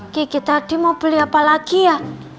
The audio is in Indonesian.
kiki tadi mau beli apa lagi ya